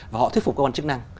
và họ thuyết phục các con chức năng